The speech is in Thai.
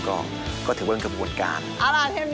ก็ถือว่าอย่างเกี่ยวกับวัตการณ์